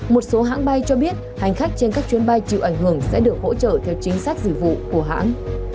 một số hãng bay cho biết hành khách trên các chuyến bay chịu ảnh hưởng sẽ được hỗ trợ theo chính sách dịch vụ của hãng